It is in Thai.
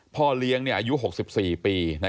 พ่อเลี้ยงอายุ๖๔ปี